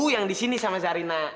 yang disini sama zarina